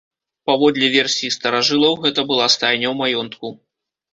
Паводле версіі старажылаў, гэта была стайня ў маёнтку.